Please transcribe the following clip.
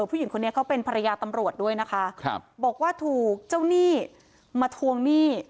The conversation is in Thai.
ผู้หญิงคนนี้เขาเป็นภรรยาตำรวจด้วยนะคะครับบอกว่าถูกเจ้าหนี้มาทวงหนี้